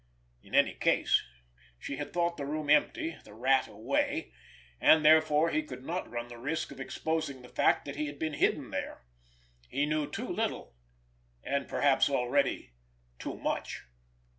In any case, she had thought the room empty, the Rat away, and therefore he could not run the risk of exposing the fact that he had been hidden there—he knew too little—and perhaps already too much!